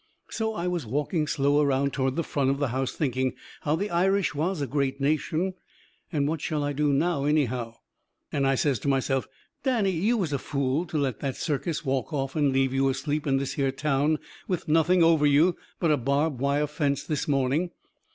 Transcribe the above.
So I was walking slow around toward the front of the house thinking how the Irish was a great nation, and what shall I do now, anyhow? And I says to myself: "Danny, you was a fool to let that circus walk off and leave you asleep in this here town with nothing over you but a barbed wire fence this morning.